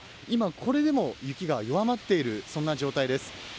今これでも雪が弱まっている、そんな状態です。